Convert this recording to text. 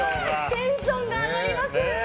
テンションが上がります！